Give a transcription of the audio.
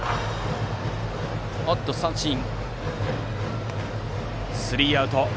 三振、スリーアウト。